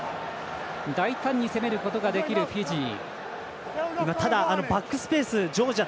大胆に攻めることができるフィジー。